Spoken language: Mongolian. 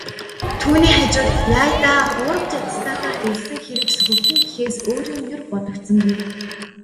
Түүний хажууд "яая даа, хуурамч аттестатаар залилсан хэрэг сөхөгдөнө" гэхээс өөр юм ер бодогдсонгүй.